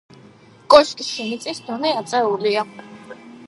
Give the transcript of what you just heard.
კოშკში მიწის დონე აწეულია.